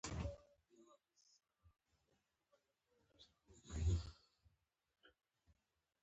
د فکري ازادیو دغه لړۍ پسې غځوو.